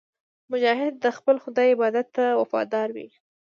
مجاهد د خپل خدای عبادت ته وفادار وي.